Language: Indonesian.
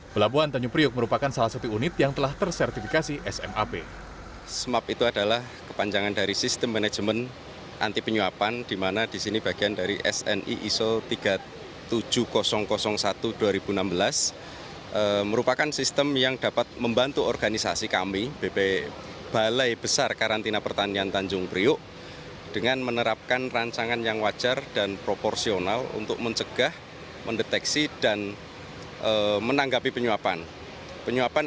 pelabuhan tanjung priuk merupakan salah satu unit yang telah tersertifikasi smap